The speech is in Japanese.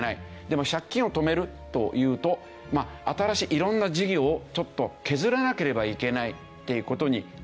でも借金を止めるというと新しい色んな事業をちょっと削らなければいけないっていう事になりますでしょ？